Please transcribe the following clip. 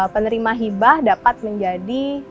penerima hibah dapat menjadi